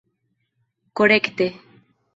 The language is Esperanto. korekte